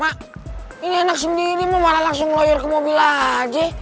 mak ini anak sendiri mau malah langsung lawyer ke mobil aja